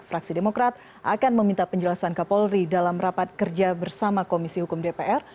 fraksi demokrat akan meminta penjelasan kapolri dalam rapat kerja bersama komisi hukum dpr